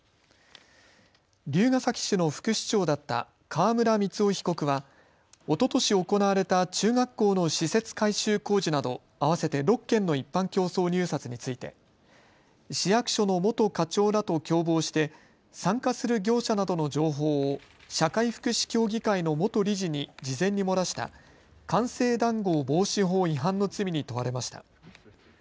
龍ケ崎市の副市長だった川村光男被告はおととし行われた中学校の施設改修工事など合わせて６件の一般競争入札について市役所の元課長らと共謀して参加する業者などの情報を社会福祉協議会の元理事に事前に漏らした官製談合防止法違反の罪に問われました。